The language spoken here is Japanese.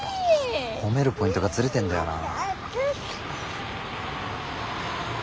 褒めるポイントがズレてんだよな。